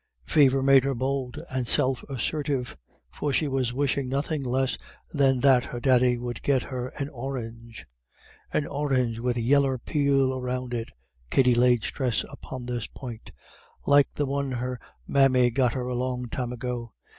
Fever made her bold and self assertive, for she was wishing nothing less than that her daddy would get her an orange "An or'nge wid yeller peel round it" Katty laid stress upon this point "like the one her mammy got her a long time ago.